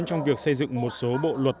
trong việc xây dựng một số bộ luật